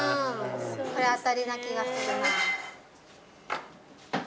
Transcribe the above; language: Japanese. これ当たりな気がするな。